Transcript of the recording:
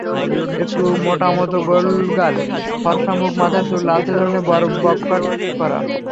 একটু মোটামতো, গোলগাল ফরসা মুখ, মাথার চুল লালচে ধরনের, ববকাট করা।